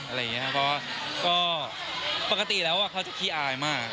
เพราะก็ปกติเขาจะคี้อายมาก